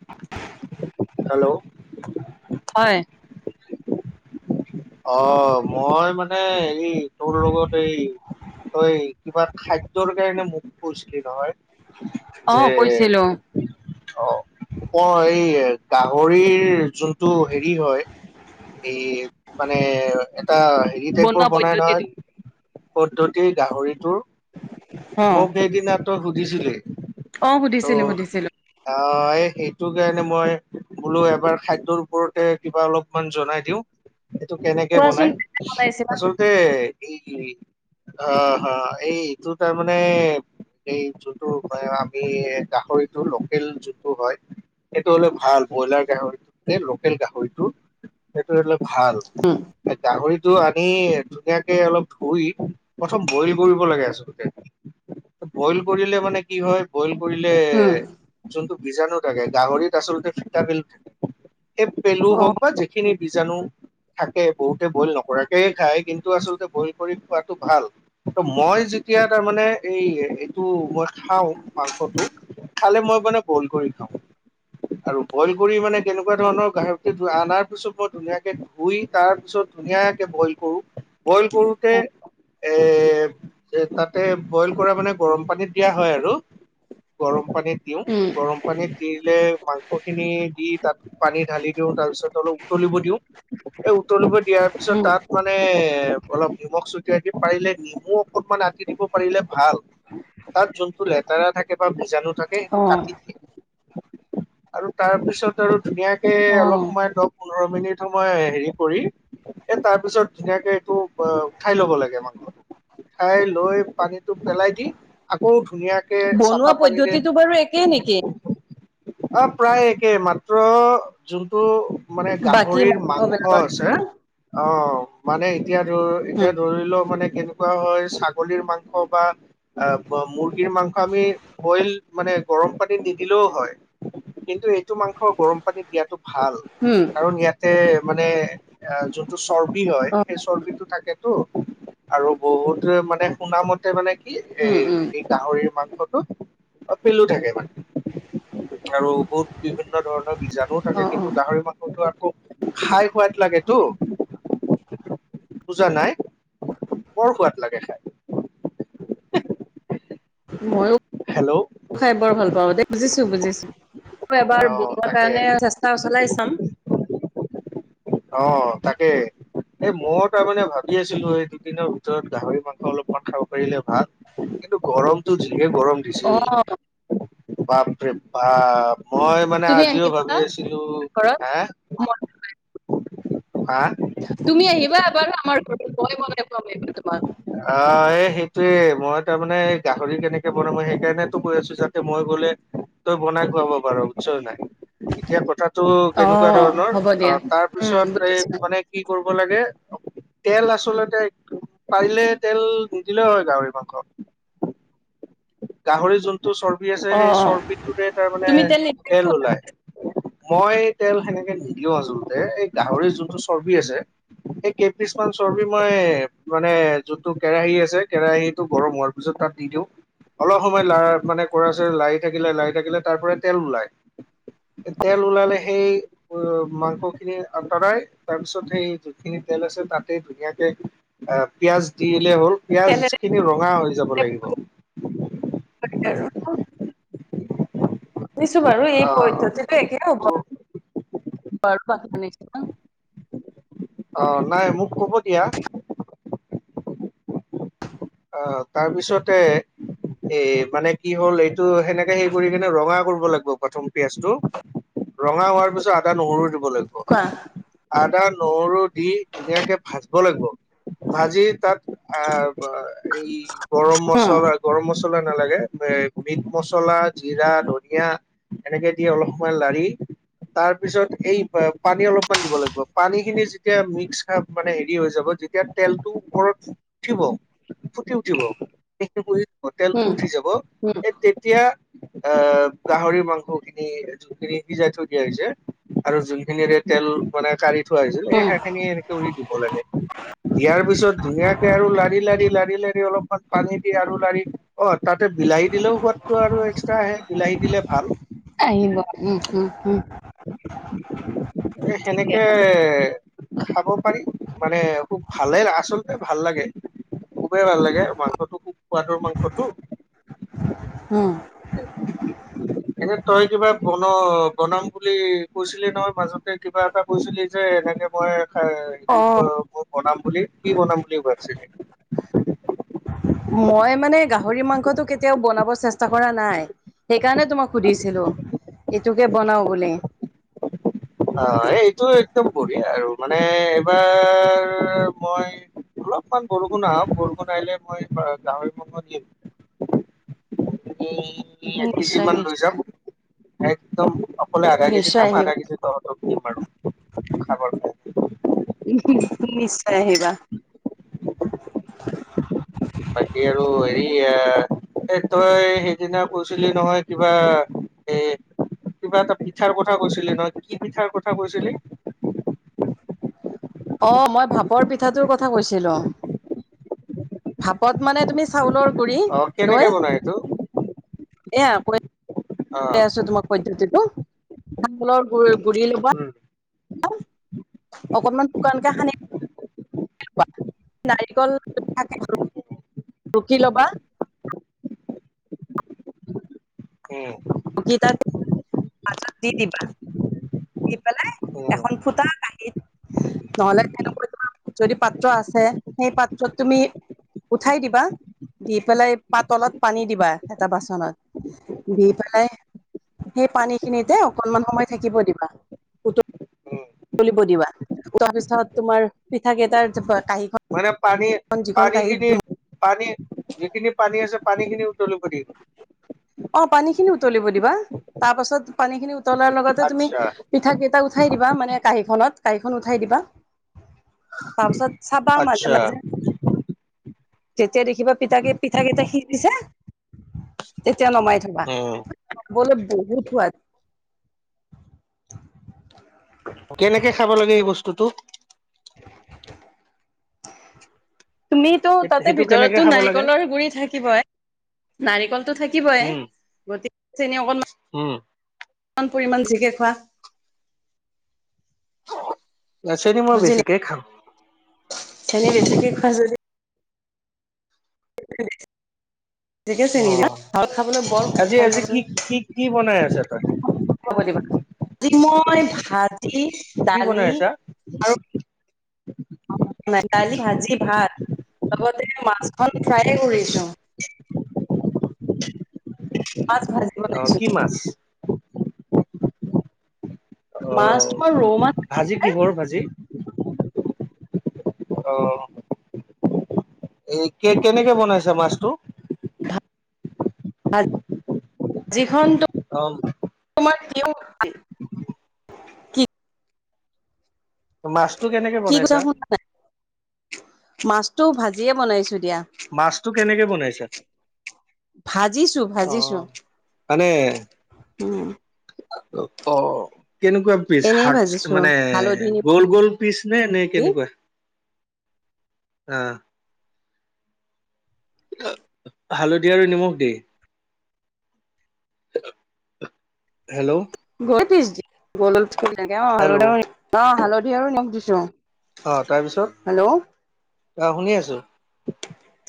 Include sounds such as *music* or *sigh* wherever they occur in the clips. *inaudible* Hello? হয়। অ', মই মানে এই, তোৰ লগত এই তই কিবা খাদ্যৰ কাৰণে মোক কৈছিলি নহয়। অ যে কৈছিলো অ', মই এই গাহৰিৰ যোনটো হেৰি হয়। এই, মানে এটা হেৰি টাইপৰ বনোৱা বনাই পদ্ধতিটো নহয়। পদ্ধতিৰ গাহৰিটোৰ, অ মোক সেইদিনা তই সুধিছিলি। অ', সুধিছিলোঁ, সুধিছিলোঁ। অ', এই সেইটো কাৰণে মই বোলো এবাৰ খাদ্যৰ ওপৰতে কিবা অলপমান জনাই দিওঁ। এইটো কেনেকে কোৱাচোন বনাই, কেনেকে বনাইছিলা আচলতে এই অ', হা, এইটো তাৰমানে এই জোনটোৰ, আমি গাহৰিটো লোকেল জুনটো হয়। সেইটো অলপ ভাল, ব্ৰইলাৰ গাহৰিটো যে, লোকেল গাহৰিটো, সেইটো অলপ ভাল, গাহৰিত টো আনি ধুনীয়াকে অলপ ধুই, প্ৰথম বইল কৰিব লাগে আচলতে। বইল কৰিলে মানে কি হয়, বইল কৰিলে উম যোনটো বীজাণু থাকে, গাহৰিত আচলতে ফিটা পেলু থাকে, সেই পেলু অ হওক বা যিখিনি বীজাণু থাকে, বহুতে বইল নকৰাকে খায়, কিন্তু আচলতে বইল কৰি খোৱাটো ভাল। ত' মই যেতিয়া তাৰমানে এই মই খাঁও মাংসটো। খালে, মই মানে বইল কৰি খাওঁ। আৰু বইল কৰি মানে তেনেকুৱা ধৰণৰ গাহৰি খিনি অনাৰ পিছত মই ধুনীয়াকে ধুই, তাৰ পিছত ধুনীয়াকে বইল কৰোঁ, বইল কৰোতে অ এ তাতে বইল কৰা মানে গৰম পানীত দিয়া হয় আৰু। গৰম পানীত দিওঁ, গৰম পানীত দি দিলে, মাংসখিনি দি তাত পানী ঢালি দিওঁ, তাৰ পিছত অলপ উতলিব দিওঁ। এই উতলিব দিয়াৰ পিছত, উম তাত মানে এ অলপ নিমখ ছটিয়াই দিম, পাৰিলে নিমু অকনমান কাটি দিব পাৰিলে ভাল। তাত যোনটো লেতেৰা থাকে বা বীজাণু থাক সেইটো অ কাটি দিয়ে, আৰু তাৰপিছত আৰু ধুনীয়াকে অ অলপ সময় দ পোন্ধৰ মিনিট সময় হেৰি কৰি এ তাৰপিছত ধুনীয়াকে এইটো উঠাই লব লাগে মাংসটো। উঠাই লৈ পানীটো পেলাই দি আকৌ ধুনীয়া বনোৱা পদ্ধতিটো বাৰু একেই নেকি? অঁ প্ৰায় একে মাত্ৰ যোনটো মানে গাহ বাকী হৰিৰ মাংস বিলাকৰ আছে। নিচিনা অঁ মানে এতিয়া ধৰ এতিয়া উম ধৰিলেও মানে কে কোৱা হয় ছাগলীৰ মাংস বা মুৰ্গীৰ মাংস আমি বইল মানে গৰম পানী নিদিলেও হয়, কিন্তু এইটো মাংস গৰম পানী দিয়াটো ভাল। হম। কাৰণ ইয়াতে মানে এ যোনটো চৰ্বি হয় অ সেই চৰ্বিটো থাকে। তো আৰু বহুত মানে শুনামতে মানে কি উম উম এই গাহৰিৰ মাংসটোত পেলো থাকে মানে। আৰু বহুত বিভিন্ন ধৰণৰ বীজাণুও অ থাকে, অ কিন্তু গাহৰি মাংসতো আকৌ খায় খোৱাত লাগে তো বুজা নাই? বৰ সোৱাদ লাগে খায়। *inaudible* ময়ো খায় বৰ ভাল পাওঁ দেই, বুজিছো বুজিছো। মই অ এবাৰ বনোৱা তাকে কাৰণে চেষ্টা চলাই চাম। অঁ তাকে। এই মইও তাৰমানে ভাবি আছিলো এই দুদিনৰ ভিতৰত গাহৰি মাংস অলপমান খাব পাৰিলে ভাল। কিন্তু গৰমটো যিহে গৰম অ দিছে বাপৰে বাপ! মই মানে তুমি আজিও আহিবা ভাবি আছিলো, ঘৰত হে? হা? তুমি আহিবা এবাৰ আমাৰ ঘৰত মই বনাই খোৱাম এইবাৰ তোমাক। অঁ এ সেইটোৱে মই তাৰমানে গাহৰি কেনেকে বনাম সেইকাৰণেতো কৈ আছো যাতে মই গলে তই বনাই খুৱাব পাৰ, বুইচ নাই? এতিয়া কথাটো কেনেকুৱা অঁ ধৰণৰ, হ'ব দিয়া অ' উম তাৰপিছত এই বুজিছো মানে কি কৰিব লাগে, তেল আচলতে পাৰিলে তেল নিদিলেও হয় গাহৰি মাংস। গাহৰিৰ যোনটো চৰ্বি আছে সেই অঁ অঁ চৰ্বিটোৰে তাৰমানে তুমি তেল নিদিলেও ওলায়। মই তেল সেনেকে নিদিও আচোলতে, এই গাহৰিৰ যোনটো চৰ্বি আছে সেই কেইপিচ মান চৰ্বি মই মানে যোনটো কেৰাহি আছে কেৰাহীটো গৰম হোৱাৰ পিছত তাত দি দিওঁ। অলপ সময় লাৰ মানে কৰাছে লাৰি থাকিলে লাৰি থাকিলে তাৰপৰা তেল ওলাই। তেল ওলালে সেই উম মাংসখিনি আঁতৰাই তাৰপিছত সেই যিখিনি তেল আছে তাতেই ধুনীয়াকে আ পিয়াজ দিলে হ'ল, পিয়াজ তেলেৰে খিনি ৰঙা হৈ যাব লাগিব। *inaudible* শুনিছো বাৰু এই আহ পদ্ধতিতো একে হ'ব বাৰু বাকী নিচিনা। অঁ নাই মোক কব দিয়া। আহ তাৰপিছতে এ মানে কি হ'ল এইটো সেনেকে হে কৰি কিনে ৰঙা কৰিব লাগিব প্ৰথম পিয়াজটো। ৰঙা হোৱাৰ পিছত আদা নহৰু দিব লাগিব। কোৱা আদা, নহৰু দি ধুনীয়াকে ভাজিব লাগিব। ভাজি তাত আ' এই গৰম উম মছলা। গৰম মছলা নালাগে। এ মিট মছলা, জিৰা, ধনিয়া, এনেকে দি অলপ সময় লাৰি। তাৰ পিছত এই পানী অলপমান দিব লাগিব, পানী খিনি যেতিয়া মিক্স খা মানে হেৰি হৈ যাব। যেতিয়া তেলটো ওপৰত উঠিব। ফুটি উঠিব, তেলটো উম উঠি যাব। উম সে তেতিয়া আহ' গাহৰিৰ মাংস খিনি যিখিনি সিজাই থৈ দিয়া হৈছে, আৰু যোন খিনিৰে তেল মানে কাৰি থোৱা হৈছিল, এই উম সেইখিনি এনেকে উৰি দিব লাগে দিয়াৰ পিছত ধুনীয়াকে আৰু লাৰি-লাৰি। লাৰি লাৰি অলপমান পানী দি আৰু লাৰি অ' তাতে বিলাহী দিলেও সোৱাদটো আৰু এক্সট্ৰা আহে। বিলাহী দিলে ভাল। আহিব, উম উম উম। এ ঠিকে সেনেকে আছে খাব পাৰি, মানে খুব ভালে আচলতে ভাল লাগে। খুবেই ভাল লাগে, মাংসটো খুব সোৱাদৰ মাংসটো। হুম। এনে তই কিবা বন-বনাম বুলি কৈছিলি নহয় মাজতে, কিবা এটা কৈছিলি যে এনেকে মই *unintelligible* অঁ মই বনাম বুলি। কি বনাম বুলি ভাবছিলি? মই মানে গাহৰি মাংসটো কেতিয়াও বনাব চেষ্টা কৰা নাই। সেইকাৰণে তোমাক সুধিছিলো! এইটোকে বনাও বুলি। অ' এইটো একদম বঢ়িয়া আৰু মানে এইবাৰ মই অলপমান বৰষুণ আহক, বৰষুণ আহিলে মই গাহৰি মাংস নিম। উম, এক কেজি নিশ্চয় মান লৈ যাম। নিশ্চয় একদম অকলে আধা-কেজি নিশ্চয় খাম, আহিবা আধা-কেজি তহঁতক দিম আৰু খাবৰ কাৰণে উমহুম! নিশ্চয় আহিবা। বাকী আৰু হেৰি আ' এ তই সেইদিনা কৈছিলি নহয়! কিবা এ কিবা এটা পিঠাৰ কথা কৈছিলি নহয়, কি পিঠাৰ কথা কৈছিলি? অঁ মই ভাপৰ পিঠাটোৰ কথা কৈছিলোঁ। ভাপত মানে তুমি চাউলৰ গুৰি অ কেনেকে লয়, বনাই এইটো এয়া কৈ অ আছো তোমাক পদ্ধতিটো চাউলৰ গু-গুৰি ল'বা। উম লবা, অকনমান শুকানকে সানি *inaudible* উম। *inaudible* পাছত দি দিবা। দি পেলাই উম এখন ফুটা কাঁহীত নহলে তেনেকুৱা তোমাৰ যদি পাত্ৰ আছে, সেই পাত্ৰত তুমি উঠাই দিবা দি পেলাই পাতলত পানী দিবা এটা বাচনত। দি পেলাই সেই পানীখিনিতে অকনমান সময় থাকিব দিবা। উম উতলিব দিবা, উতলাৰ পিছত তোমাৰ পিঠা কেইটাৰ কাঁহীখন মানে যিখন কাঁহীত পানী-পানীখিনি পানী যিখিনি পানী আছে পানীখিনি উতলিব দি অ' পানীখিনি উতলিব দিবা। তাৰ পাছত পানীখিনি উতলাৰ লগতে তুমি আচ্ছা পিঠা কেইটা উঠাই দিবা মানে কাঁহীখনত, কাঁহীখন উঠাই দিবা। তাৰপাছত চাবা মাজে, আচ্ছা মাজে। যেতিয়া দেখিবা পিঠাকে পিঠা কেইটা সিজিছে তেতিয়া নমাই থবা। উম খাৱলে বহুত সোৱাদ। কেনেকে খাব লাগে এই বস্তুতো। তুমিতো তাতে সেইটো কেনেকে ভিতৰতো খাব লাগে নাৰিকলৰ গুৰি থাকিবই। নাৰিকলটো থাক। থাকিবই উম গতিকে তেনে অকণমান। উম। কিমান পৰিমাণ বেছিকে খোৱা। এ চেনি মই বেছিকে খাওঁ। চেনী বেছিকে খোৱা যদি। কেলে। *unintelligible* অহ, খাবলৈ বৰ সোৱাদ আজি, খাই আজি কি, চাবাচোন কি, কি বনাই আছে তাত। খবৰ দিবা। আজি মই ভাজি, কি বনাই দালি। আছা আও মই দালি, ভাজি, ভাত লগতে মাছখন ফ্ৰাইকণ কৰিছোঁ। মাছ ভাজ। অহ, কি মাছ? অ মাছ তোমাৰ ৰৌ মাছ ভাজি কিহৰ ভাজি? অহ। এই কে কেনেকে বনাইছোঁ মাছটো। ভা ভ জি খনটো। অহ। তোমাৰ বিহু কি। কি মাছটো কেনেকে বনাইছা? এ মাছটো ভাজিয়ে বনাইছোঁ দিয়া। মাছটো কেনেকে বনাইছা? ভাজিছো ভাজিছো অহ, মানে। উম অ অহ অ, কেনেকুৱা পিচ এনেই ভাজিছো মানে, হালধি নিমখ গ'ল, গ'ল। পিছনে নে, দি কেনেকুৱা অ'হ। হালধীয়া আৰু নিমখ দে। হেল্লো? গৈ পিছ দি গলত থুই লাগে অহ, হালধি হেল্ল' আৰু অহ হালধি আৰু নিমখ দিছোঁ। অহ, তাৰপিছত অ, শুনি আছোঁ।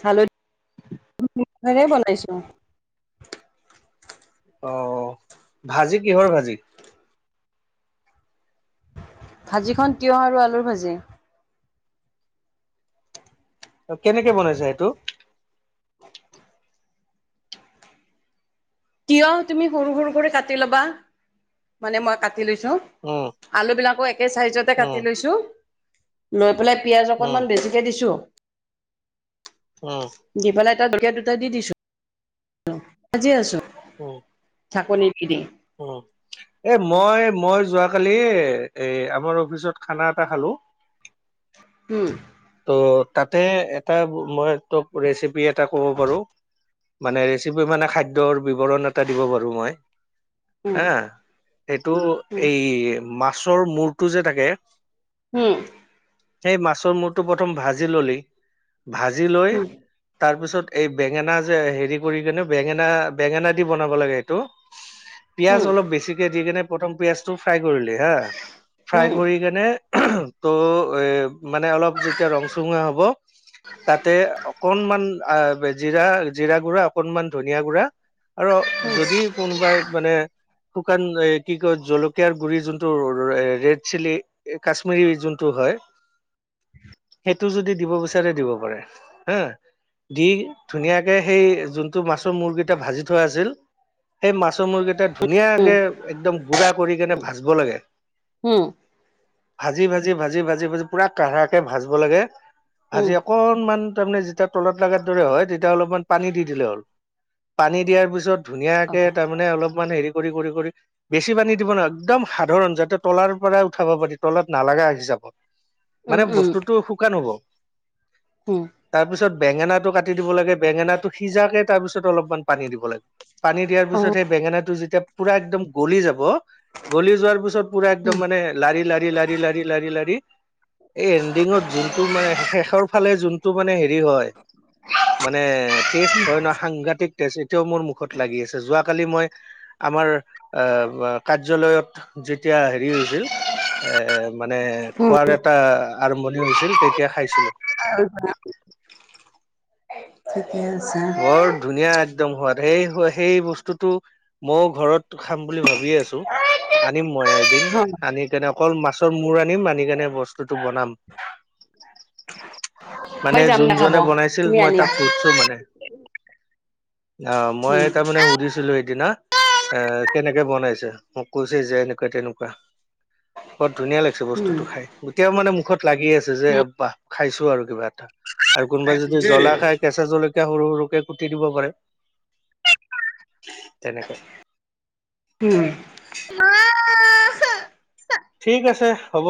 খোৱা, বনাইছোঁ। *unintelligible* অহ ভাজি কিহৰ ভাজি? ভাজিখন তিঁয়হ আৰু আলুৰ ভাজি। অ কেনেকে বনাইছা এইটো? তিঁয়হ তুমি সৰু সৰু কৰি কাটি ল'বা। মানে মই কাটি লৈছোঁ। উম আলু বিলাকো একে চাইজতে কাটি উম লৈছোঁ। লৈ পেলাই, পিয়াঁজ উম অকণমান বেছিকে দিছোঁ। উম। দি পেলাই তাত জলকীয়া দুটা দি দিছোঁ। উম ভাজি আছোঁ। অ। চাকনি দি দি। উম, এ মই, মই যোৱাকালি, এ এই আমাৰ অফিচত খানা এটা খালোঁ। উম তো, তাতে এটা মই তোক ৰেচিপি এটা ক'ব পাৰোঁ। মানে, ৰেচিপি মানে খাদ্যৰ বিৱৰণ এটা দিব পাৰোঁ মই। উম হা, এইটো উম এই মাছৰ মূৰটো যে থাকে হুম। সেই মাছৰ মূৰটো প্ৰথম ভাজি ললি, ভাজি লৈ তাৰপিছত, এই বেঙেনা যে হেৰি কৰি কেনে, বেঙেনা, বেঙেনা দি বনাব লাগে এইটো। উম পিয়াঁজ অলপ বেছিকে দি কেনে, প্ৰথম পিয়াঁজটো ফ্ৰাই কৰিলে হা, ফ্ৰাই উম উম উম কৰি কেনে তো, এই মানে অলপ যেতিয়া ৰং চঙুৱা হ'ব, তাতে অকনমান আ, জিৰা, জিৰা গুড়া অকনমান ধনিয়া গুড়া আৰু যদি কোনোবাই মানে শুকান, এ কি কয়? জলকীয়াৰ গুড়ি যোনটো ৰেড চিলি এ, কাশ্মীৰীৰ যোনটো হয়। সেইটো যদি দিব বিচাৰে, দিব পাৰে হা। দি ধুনীয়াকে, সেই যোনটো মাছৰ মূৰকেইটা ভাজি থোৱা আছিল সেই মাছৰ মূৰকেইটা ধুনীয়াকে, একদম গুড়া কৰি কেনে, ভাজব লাগে। উম। ভাজি, ভাজি, ভাজি, ভাজি, ভাজি পুৰা কাঢ়াকে ভাজিব লাগে উম ভাজি অক অকনমান তাৰমানে যেতিয়া তলত লাগাৰ দৰে হয়, তেতিয়া অলপমান পানী দি দিলে হ'ল। পানী দিয়াৰ পিছত, ধুনীয়াকে তাৰমানে অলপমান হেৰি কৰি, কৰি, কৰি বেছি পানী দিব না একদম সাধাৰণ যাতে তলাৰ পৰাই উঠাব পাৰি, তলত নালাগা হিচাপত। মানে উম উম বস্তুটো শুকান হ'ব। উম। তাৰপিছত বেঙেনাটো কাটি দিব লাগে, বেঙেনাটো সিজাকে তাৰপিছত অলপমান পানী দিব লাগে। পানী দিয়াৰ অ পিছত, সেই বেঙেনাটো যেতিয়া পুৰা একদম গলি যাব গলি যোৱাৰ পিছত পুৰা উম একদম মানে লাৰি লাৰি লাৰি লাৰি লাৰি লাৰি এই, এণ্ডিঙত যোনটো মানে, শেষৰ ফালে যোনটো মানে হেৰি হয় মানে, টেষ্ট হয় ন, সাংঘাতিক টেষ্ট এতিয়াও মোৰ মুখত লাগি আছে যোৱা কালি মই আমাৰ, আহ, কাৰ্যালয়ত যেতিয়া হেৰি হৈছিল এ, মানে উম খোৱাৰ এটা আৰম্ভণি হৈছিল, তেতিয়া খাইছিলোঁ। *inaudible* *unintelligible* বৰ ধুনীয়া একদম সোৱাদ। সেই, সেই বস্তুটো, মইও ঘৰত খাম বুলি ভাবিয়ে আছোঁ। আনিম মই এদিন। আনি কেনে অকল মাছৰ মূৰ আনিম, আনি কেনে বস্তুটো বনাম। মানে মই যাম যোন দে খাব জনে বনাইছিল, তুমি মই তাক আনিবা সোধ ছো মানে। আহ, মই উম তাৰমানে সুধিছিলোঁ সেইদিনা। এ কেনেকে বনাইছে মোক কৈছে যে এনেকুৱা তেনেকুৱা, বৰ ধুনীয়া লাগি ছে উম বস্তুটো খাই এতিয়াও মানে মুখত লাগি আছে যে *unintelligible* খাইছো আৰু কিবা এটা। আৰু কোনোবাই যদি জ্বলা খাই কেঁচা জলকীয়া সৰু সৰুকে কুটি দিব পাৰে, তেনেকে। উম। উম ঠিক আছে হ'ব।